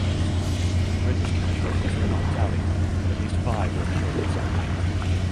British casualties were not tallied, but at least five were killed in skirmishes.